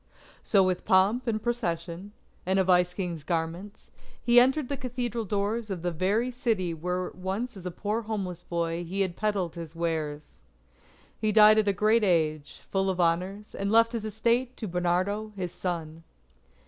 So with pomp and procession, in a Vice King's garments, he entered the Cathedral doors of the very city where once as a poor homeless boy he had peddled his wares. He died at a great age, full of honours, and left his estate to Bernardo his son.